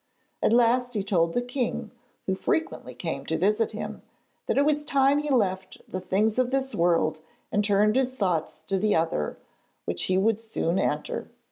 At last he told the king, who frequently came to visit him, that it was time he left the things of this world and turned his thoughts to the other which he would soon enter.